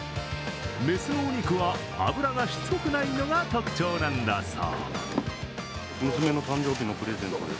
雌のお肉は脂がしつこくないのが特徴なんだそう。